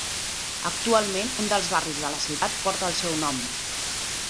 Actualment, un dels barris de la ciutat porta el seu nom.